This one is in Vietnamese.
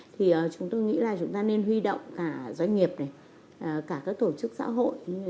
thì chúng tôi nghĩ là chúng ta nên huy động cả doanh nghiệp này cả các tổ chức xã hội